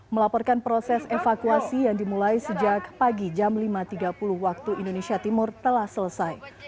melaporkan proses evakuasi yang dimulai sejak pagi jam lima tiga puluh waktu indonesia timur telah selesai